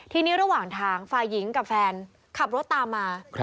ทีนี้ระหว่างทางฝ่ายหญิงกับแฟนขับรถตามมา